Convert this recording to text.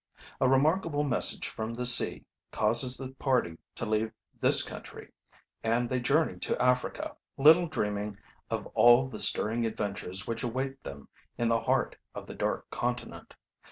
A remarkable message from the sea causes the party to leave this country, and they journey to Africa, little dreaming of all the stirring adventures which await them in the heart of the Dark Continent.